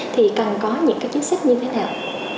thì cần có những chức sách như thế nào